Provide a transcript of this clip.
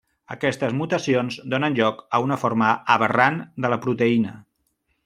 Aquestes mutacions donen lloc a una forma aberrant de la proteïna.